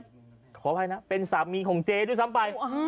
ขออภัยนะเป็นสามีของเจด้วยซ้ำไป